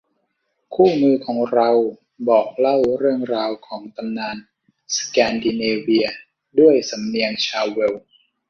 คู่มือของเราบอกเล่าเรื่องราวของตำนานสแกนดิเนเวียด้วยสำเนียงชาวเวลส์